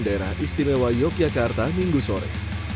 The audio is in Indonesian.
daerah istimewa yogyakarta minggu sore